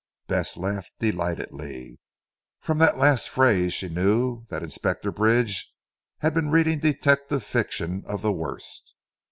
Bess laughed delightedly. From that last phrase she knew that Inspector Bridge had been reading detective fiction of the worst.